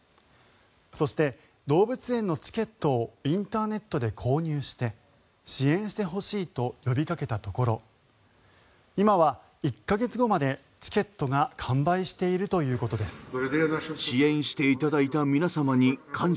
そして、動物園のチケットをインターネットで購入して支援してほしいと呼びかけたところ今は１か月後までチケットが完売しているということです。